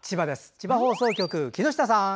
千葉放送局、木下さん。